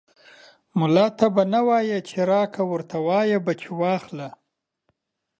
ملا ته به نه وايي چې راکه ، ورته وايې به چې واخله.